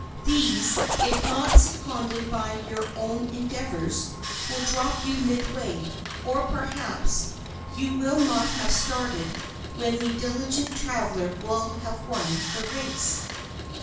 These, if not seconded by your own endeavors, will drop you midway, or perhaps you will not have started when the diligent traveler will have won the race.